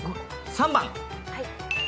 ３番！？